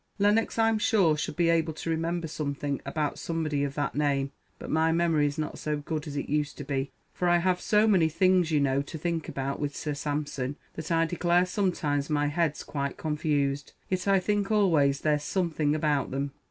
Lennox I'm sure I should be able to remember something about somebody of that name; but my memory's not so good as it used to be, for I have so many things, you know, to think about, with Sir Sampson, that I declare sometimes my head's quite confused; yet I think always there's something about them.